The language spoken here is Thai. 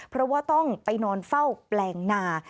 เพราะว่าต้องไปนอนเฝ้าแปลงนา